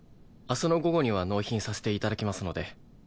明日の午後には納品させて頂きますので。